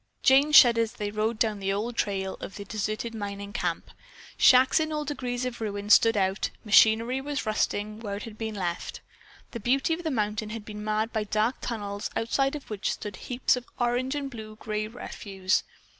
Jane shuddered as they rode down the old trail of the deserted mining camp. Shacks in all degrees of ruin stood about, machinery was rusting where it had been left. The beauty of the mountain had been marred by dark tunnels, outside of which stood heaps of orange and blue gray refuse.